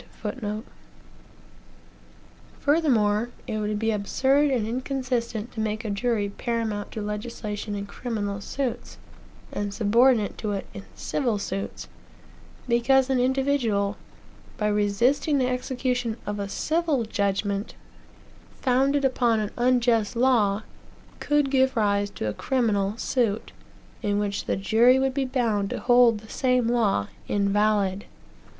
Furthemore, it would be absurd and inconsistent to make a jury paramount to legislation in criminal suits, and subordinate to it in civil suits; because an individual, by resisting the execution of a civil judgment, founded upon an unjust law, could give rise to a criminal suit, in which the jury would be bound to hold the same law invalid.